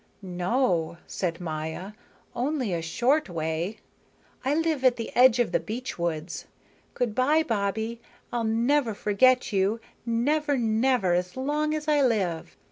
"No," said Maya. "Only a short way. I live at the edge of the beech woods. Good by, Bobbie, I'll never forget you, never, never, so long as I live.